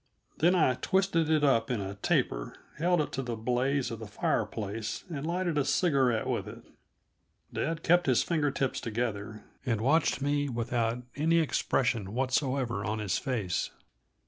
Then I twisted it up in a taper, held it to the blaze in the fireplace, and lighted a cigarette with it. Dad kept his finger tips together and watched me without any expression whatsoever in his face.